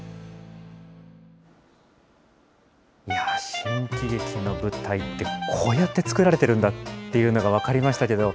新喜劇の舞台って、こうやって作られてるんだというのが分かりましたけど。